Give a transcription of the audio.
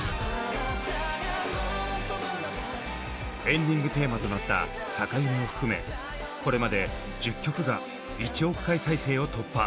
エンディングテーマとなった「逆夢」を含めこれまで１０曲が１億回再生を突破。